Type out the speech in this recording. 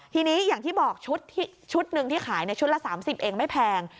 ทีนี้อย่างที่บอกชุดหนึ่งที่ขายชุดละ๓๐เองไม่แพง